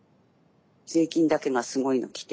税金だけがすごいの来て。